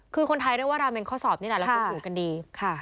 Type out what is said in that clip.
คือคนไทยเรียกว่าราเมงข้อสอบนี่แหละเราคงอยู่กันดี